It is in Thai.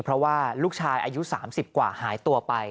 เพราะว่าลูกชายอายุ๓๐กว่าหายตัวไป